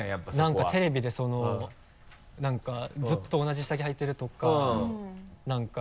何かテレビで何かずっと同じ下着履いてるとか何か。